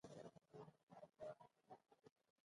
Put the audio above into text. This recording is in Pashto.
نه د عوامو لپاره.